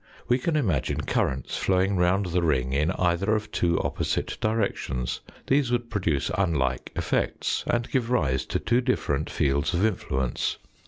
We can imagine currents flowing round the ring in either of two opposite directions. These would produce unlike effects, and give rise to two different fields of influence.